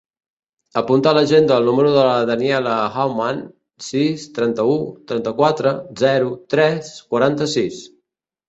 Apunta a l'agenda el número de la Daniella Huaman: sis, trenta-u, trenta-quatre, zero, tres, quaranta-sis.